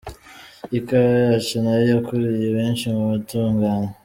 Ikawa yacu nayo yakuruye benshi mu batugannye.